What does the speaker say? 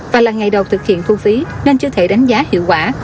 và là ngày đầu thực hiện thu phí nên chưa thể đánh giá hiệu quả